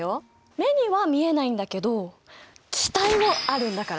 目には見えないんだけど気体もあるんだから！